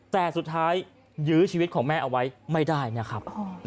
แต่สุดท้ายยื้อชีวิตของแม่เอาไว้ไม่ได้นะครับ